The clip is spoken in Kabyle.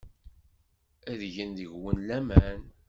Ad gen deg-wen laman.